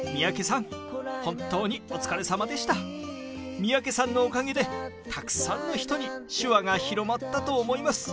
三宅さんのおかげでたくさんの人に手話が広まったと思います。